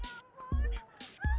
aduh ya ampun